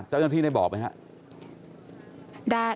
เจ้าหน้าที่ได้บอกไหมครับ